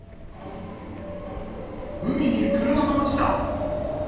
海に車が落ちた。